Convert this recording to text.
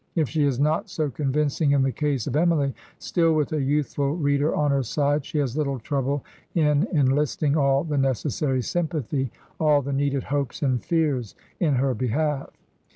If she is not so convincing in the case of Emily, still with a youthful reader on her side she has little trouble in enUsting all the necessary sympathy, all the needed hopes and fears in her behalf.